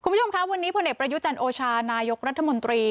คุณผู้ชมคะวันนี้พลเอกประยุจันทร์โอชานายกรัฐมนตรี